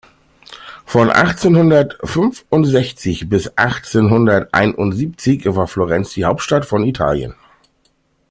Von achtzehnhundertfünfundsechzig bis achtzehnhunderteinundsiebzig war Florenz die Hauptstadt von Italien.